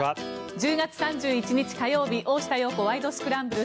１０月３１日、火曜日「大下容子ワイド！スクランブル」。